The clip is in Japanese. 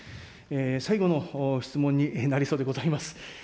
最後の質問になりそうでございます。